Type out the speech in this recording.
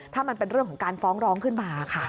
ถ้ามันเป็นเรื่องของการฟ้องร้องขึ้นมาค่ะ